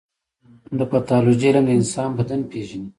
د پیتالوژي علم د انسان بدن پېژني.